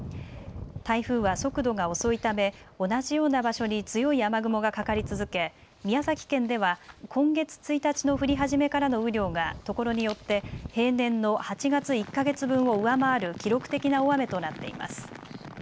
台風は速度が遅いため同じような場所に強い雨雲がかかり続け宮崎県では今月１日の降り始めからの雨量がところによって平年の８月１か月分を上回る記録的な大雨となっています。